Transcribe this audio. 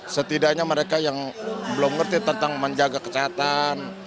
setidaknya mereka yang belum ngerti tentang menjaga kesehatan